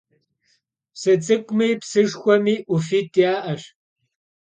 Psı ts'ık'umi psışşxuemi 'Ufit' ya'eş.